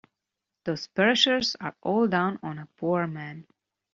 Those perishers are all down on a poor man.